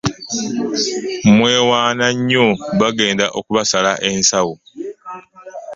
Mwewaana nnyo bagenda okubasala ensawo .